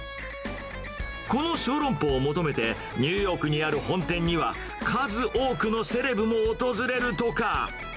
この小籠包を求めて、ニューヨークにある本店には、数多くのセレブも訪れるとか。